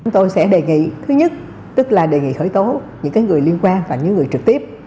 tôi sẽ đề nghị thứ nhất tức là đề nghị khởi tố những người liên quan và những người trực tiếp